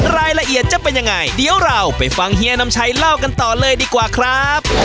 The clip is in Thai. รายละเอียดจะเป็นยังไงเดี๋ยวเราไปฟังเฮียนำชัยเล่ากันต่อเลยดีกว่าครับ